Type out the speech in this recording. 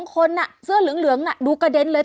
คนเสื้อเหลืองดูกระเด็นเลย